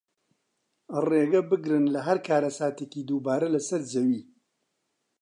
ڕێگەبگرن لە هەر کارەساتێکی دووبارە لەسەر زەوی